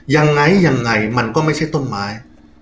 ยังไงมันก็ไม่ใช่ต้นไม้